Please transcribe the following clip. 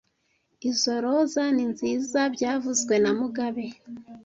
Izoi roza ni nziza byavuzwe na mugabe